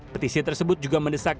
petisi tersebut juga mendesak